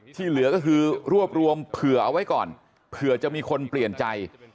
เหลือก็คือรวบรวมเผื่อเอาไว้ก่อนเผื่อจะมีคนเปลี่ยนใจ